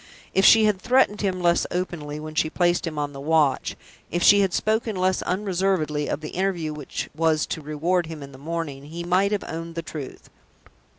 If she had threatened him less openly when she placed him on the watch; if she had spoken less unreservedly of the interview which was to reward him in the morning, he might have owned the truth.